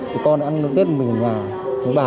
thì con ăn tết mình ở nhà với bà